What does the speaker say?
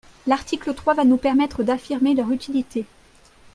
L’article trois va nous permettre d’affirmer leur utilité.